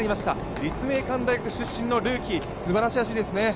立命館大学出身のルーキーすばらしい走りですね。